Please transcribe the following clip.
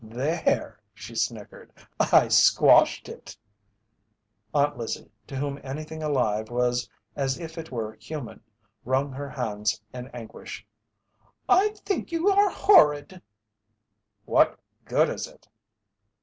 "There," she snickered, "I squashed it." Aunt Lizzie, to whom anything alive was as if it were human, wrung her hands in anguish. "I think you are horrid!" "What good is it?"